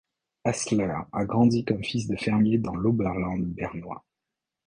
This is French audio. Häsler a grandi comme fils de fermier dans l'Oberland bernois.